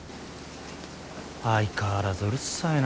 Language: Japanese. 相変わらずうるさいな。